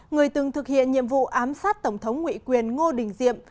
người từng thực hiện nhiệm vụ ám sát tổng thống nguyễn quyền ngô đình diệm